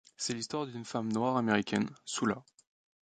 C'est l'histoire d'une femme noire américaine, Sula.